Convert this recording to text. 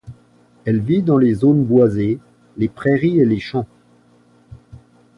Elle vit dans les zones boisées, les prairies et les champs.